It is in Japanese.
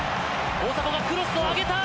大迫がクロスを上げた！